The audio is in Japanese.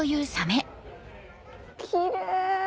キレイ。